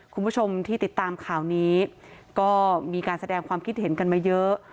คุณผู้ชมที่ติดตามข่าวนี้ก็มีการแสดงความคิดเห็นกันมาเยอะ